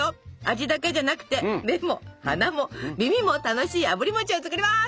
味だけじゃなくて目も鼻も耳も楽しいあぶり餅を作ります！